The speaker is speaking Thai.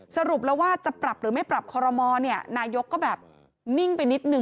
สรุปแล้วว่าจะปรับหรือไม่ปรับคอรมอลเนี่ยนายกก็แบบนิ่งไปนิดนึง